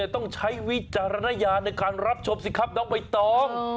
ต้องใช้วิจารณญาณในการรับชมสิครับน้องใบตอง